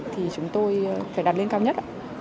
thì chúng tôi phải đặt lên cao nhất